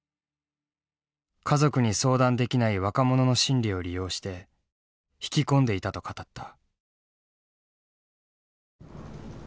家族に相談できない若者の心理を利用して引き込んでいたと語った。